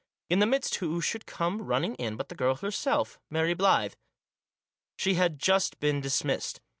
In the midst who should come running in but the girl herself — Mary Blyth. She had just been dismissed.